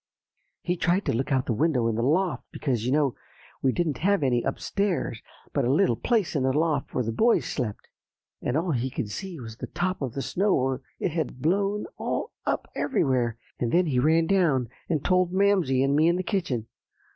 He tried to look out of the window in the loft, because, you know, we didn't have any up stairs, but a little place in the loft where the boys slept; and all he could see was the top of the snow where it had blown all up everywhere, and then he ran down and told Mamsie and me in the kitchen.